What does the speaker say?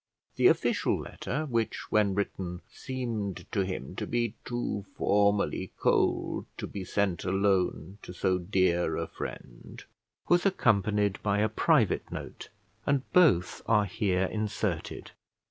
The official letter, which, when written, seemed to him to be too formally cold to be sent alone to so dear a friend, was accompanied by a private note; and both are here inserted.